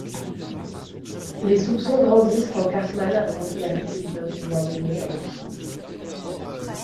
Les soupçons grandissent quand Cartman apprend qu'Hillary Clinton vient donner un meeting.